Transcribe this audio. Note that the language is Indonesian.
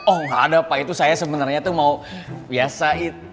oh ada pak itu saya sebenarnya tuh mau biasa itu